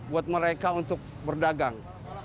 buat mereka untuk berdagang